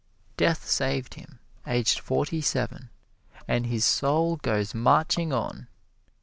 Death saved him aged forty seven and his soul goes marching on!